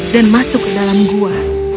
dan masuk ke dalam gua